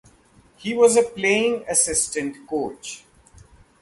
He was a playing assistant coach.